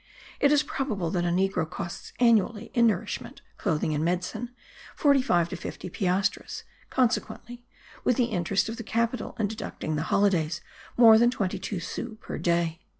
It is probable that a negro costs annually, in nourishment, clothing and medicine, forty five to fifty piastres; consequently, with the interest of the capital, and deducting the holidays, more than twenty two sous per day.